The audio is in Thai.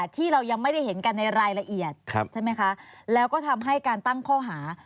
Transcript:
ที่เรายังไม่ได้เห็นกันในรายละเอียดใช่ไหมคะแล้วก็ทำให้การตั้งข้อหา